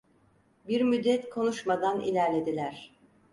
Bir müddet konuşmadan ilerlediler.